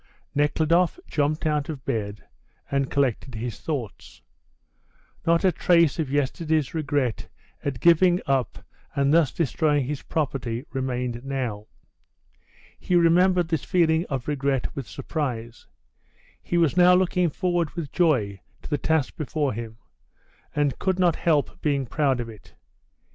Nekhludoff jumped out of bed, and collected his thoughts. Not a trace of yesterday's regret at giving up and thus destroying his property remained now. He remembered this feeling of regret with surprise; he was now looking forward with joy to the task before him, and could not help being proud of it.